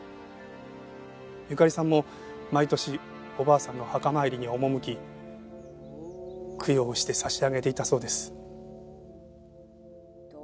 ゆかりさんも毎年おばあさんのお墓参りに赴き供養して差し上げていたそうです。